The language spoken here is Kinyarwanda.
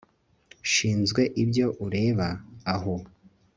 nshinzwe ibyo ureba aho